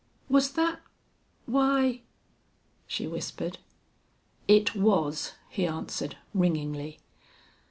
Was that why?" she whispered. "It was," he answered, ringingly.